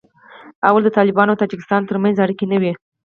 لومړی د طالبانو او تاجکستان تر منځ اړیکې نه وې